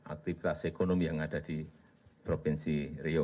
aktivitas ekonomi yang ada di provinsi riau